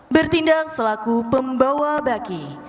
bertindak selaku pembawa baki